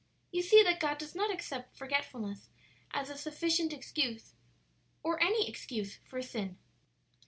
"You see that God does not accept forgetfulness as a sufficient excuse, or any excuse for sin."